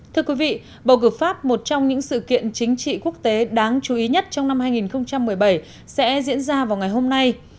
thưa quý vị bầu cử pháp một trong những sự kiện chính trị quốc tế đáng chú ý nhất trong năm hai nghìn một mươi bảy sẽ diễn ra vào ngày hôm nay